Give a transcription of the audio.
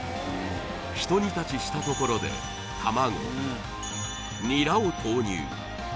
一煮立ちしたところで卵ニラを投入